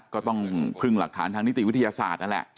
ก็ต้องพึ่งหลักฐานทางนิติวิทยาศาสตร์นั่นแหละ